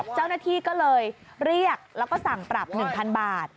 เจ้าหน้าที่ก็เลยเรียกแล้วก็สั่งปรับ๑๐๐๐บาท